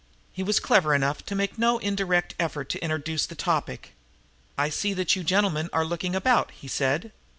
He was clever enough to make no indirect effort to introduce his topic. "I see that you gentlemen are looking about," he said.